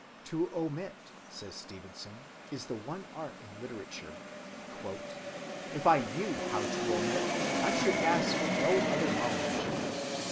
To omit, says Stevenson, is the one art in literature: "If I knew how to omit, I should ask no other knowledge."